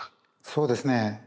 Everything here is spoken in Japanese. そうですね。